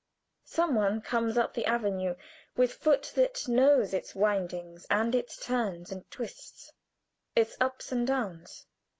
Some one comes up the avenue, with foot that knows its windings, its turns and twists, its ups and downs.